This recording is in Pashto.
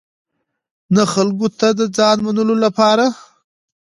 نه خلکو ته د ځان منلو لپاره.